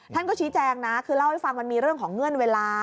ท่านก็ชี้แจงนะคือเล่าให้ฟังมันมีเรื่องของเงื่อนเวลา